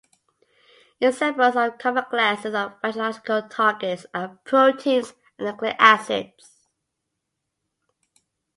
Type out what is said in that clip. Examples of common classes of biological targets are proteins and nucleic acids.